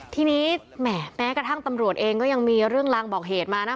ทีนี้แหมแม้กระทั่งตำรวจเองก็ยังมีเรื่องลางบอกเหตุมานะ